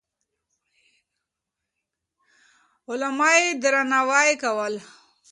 علما يې درناوي کول.